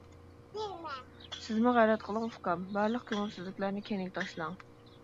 سىزمۇ غەيرەت قىلىڭ ئۇكام، بارلىق كۆڭۈلسىزلىكلەرنى كەينىگە تاشلاڭ.